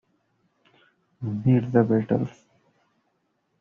Meet the Beatles!